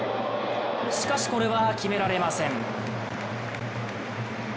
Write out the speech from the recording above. しかし、これは決められません。